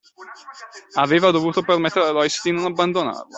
Aveva dovuto promettere a Loïs di non abbandonarla